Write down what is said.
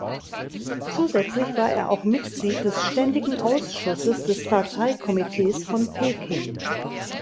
Zusätzlich war er auch Mitglied des Ständigen Ausschusses des Parteikomitees von Peking.